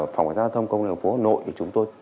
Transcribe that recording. phòng quản gia giao thông công an phố hà nội thì chúng tôi